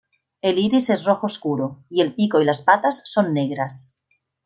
El iris es rojo oscuro, y el pico y las patas son negras.